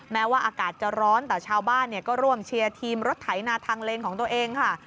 แม้ว่าอากาศจะร้อนแต่ชาวบ้านก็ร่วมเชียร์ทีมรถไถนาทางเลนของตัวเองค่ะ